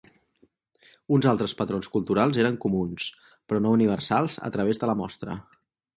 Uns altres patrons culturals eren comuns, però no universals a través de la mostra.